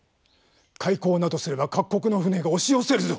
開港などすれば各国の船が押し寄せるぞ。